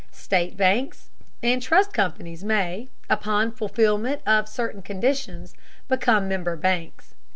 State banks and trust companies may, upon the fulfilment of certain conditions, become member banks.